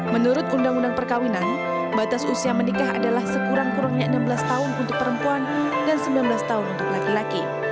menurut undang undang perkawinan batas usia menikah adalah sekurang kurangnya enam belas tahun untuk perempuan dan sembilan belas tahun untuk laki laki